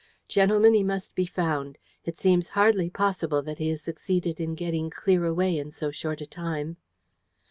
Gentlemen, he must be found. It seems hardly possible that he has succeeded in getting clear away in so short a time."